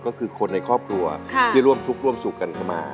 ก็คือคนในครอบครัวที่ร่วมทุกข์ร่วมสุขกันมา